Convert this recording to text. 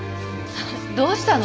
どうしたの？